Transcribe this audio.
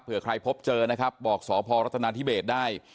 เพื่อใครพบเจอนะครับบอกสพรัฐนาธิเบสได้